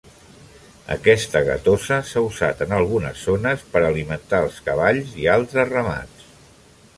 Aquesta gatosa s'ha usat en algunes zones per alimentar els cavalls i altres ramats.